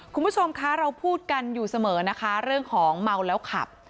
คุณผู้ชมคะเราพูดกันอยู่เสมอนะคะเรื่องของเมาแล้วขับ